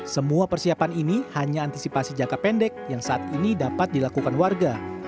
semua persiapan ini hanya antisipasi jangka pendek yang saat ini dapat dilakukan warga